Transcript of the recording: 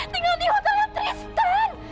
tinggal di hotelnya tristan